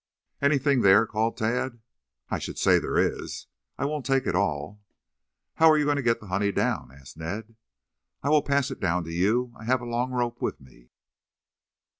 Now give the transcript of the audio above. "Anything there?" called Tad. "I should say there is! I won't take it all." "How are you going to get the honey down?" asked Ned. "I will pass it down to you. I have a long rope with me."